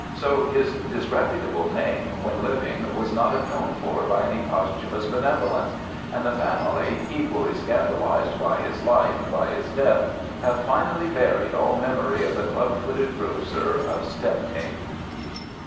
So his disreputable name when living was not atoned for by any posthumous benevolence, and the family, equally scandalized by his life and by his death, have finally buried all memory of the club footed grocer of Stepney.